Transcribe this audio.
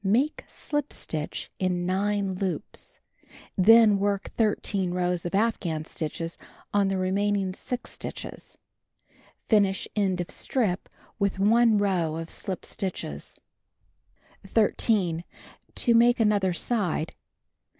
— Make slip stitch in 9 loops. Then work 13 rows of afghan stitches on the remaining 6 stitches. Finish end of strip with 1 row of slij) stitches. 13. To make other side.